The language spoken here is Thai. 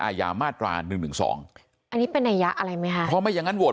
อาญามาตรา๑๑๒อันนี้เป็นระยะอะไรไหมครับเพราะไม่อย่างนั้นโหวต